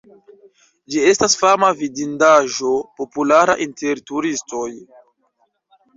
Ĝi estas fama vidindaĵo, populara inter turistoj.